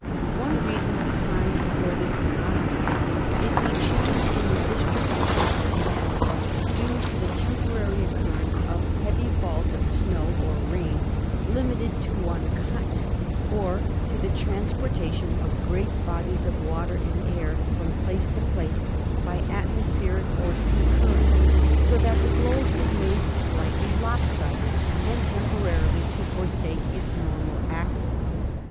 One reason as signed for this phenomenon is a change in the distribution of mass, due to the temporary occurrence of heavy falls of snow or rain limited to one continent, or to the transpor tation of great bodies of air and water from place to place 156 ASTRONOMY by atmospheric or ocean currents, so that the globe is made slightly lopsided and temporarily to forsake its normal axis.